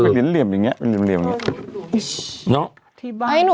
เห้ยหนูไม่ทันนะ